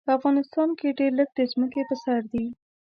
په افغانستان کې ډېر لږ د ځمکې په سر دي.